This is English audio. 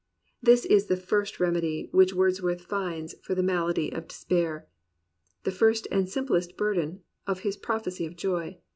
This is the first remedy which Wordsworth finds for the malady of despair, the first and sim plest burden of his prophecy of joy.